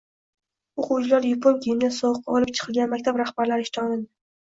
O‘quvchilari yupun kiyimda sovuqqa olib chiqilgan maktab rahbarlari ishdan olindi